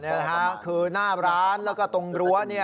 นี่แหละครับคือหน้าร้านแล้วก็ตรงรั้วนี่